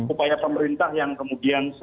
upaya pemerintah yang kemudian